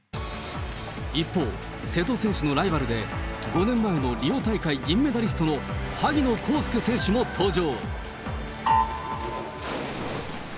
一方、瀬戸選手のライバルで、５年前のリオ大会銀メダリストの萩野公介選手も登場。